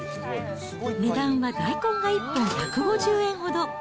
値段は大根が１本１５０円ほど。